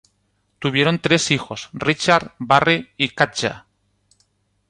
Tuvieron tres hijos Richard, Barry y Katja.